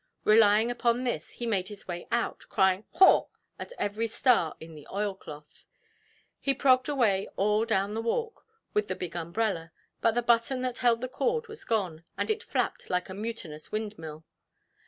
Relying upon this, he made his way out, crying "haw"! at every star in the oilcloth. He progged away all down the walk, with the big umbrella; but the button that held the cord was gone, and it flapped like a mutinous windmill.